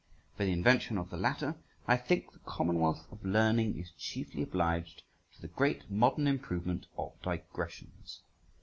For the invention of the latter, I think the commonwealth of learning is chiefly obliged to the great modern improvement of digressions.